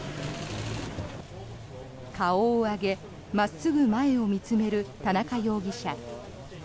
顔を上げ真っすぐ前を見つめる田中容疑者。